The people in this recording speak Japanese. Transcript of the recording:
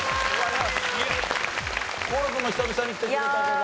心君も久々に来てくれたけど。